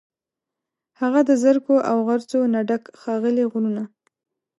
هغه د زرکو، او غرڅو، نه ډک، ښاغلي غرونه